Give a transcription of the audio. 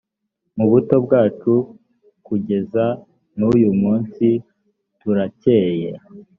mu buto bwacu kugeza n uyumunsi turakeye